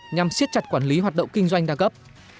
nhằm siết chặt quản lý hoạt động kinh doanh đa cấp